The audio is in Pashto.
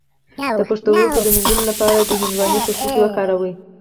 د پښتورګو د مینځلو لپاره د هندواڼې پوستکی وکاروئ